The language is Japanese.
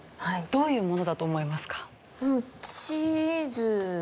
どういうものだと思いますか？